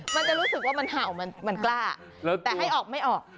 มันจะรู้สึกว่ามันเห่ามันกล้าแต่ให้ออกไม่ออก